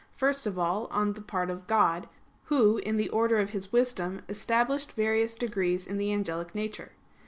First of all, on the part of God, Who, in the order of His wisdom, established various degrees in the angelic nature.